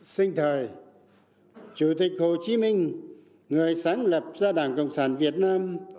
sinh thời chủ tịch hồ chí minh người sáng lập ra đảng cộng sản việt nam